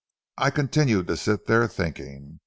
I continued to sit there thinking.